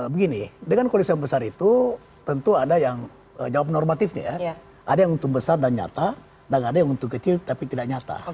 begini dengan koalisi yang besar itu tentu ada yang jawab normatifnya ya ada yang untung besar dan nyata dan ada yang untung kecil tapi tidak nyata